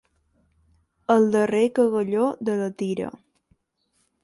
El darrer cagalló de la tira.